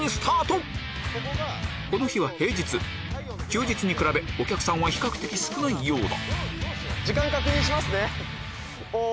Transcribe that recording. この日は平日休日に比べお客さんは比較的少ないようだ